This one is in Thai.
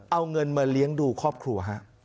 เอาเงินมาเลี้ยงดูครอบครัว